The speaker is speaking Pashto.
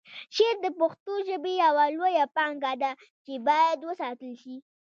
شعر د پښتو ژبې یوه لویه پانګه ده چې باید وساتل شي.